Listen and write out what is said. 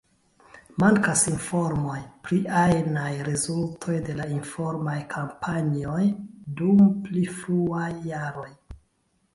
Mankas informoj pri ajnaj rezultoj de la informaj kampanjoj dum pli fruaj jaroj.